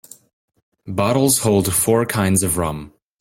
Bottles hold four kinds of rum.